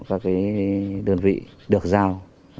các đơn vị được giao